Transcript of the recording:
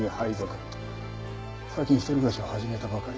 最近一人暮らしを始めたばかり。